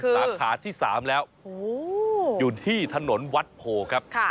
คือตาขาดที่สามแล้วโอ้อยู่ที่ถนนวัดโพครับค่ะ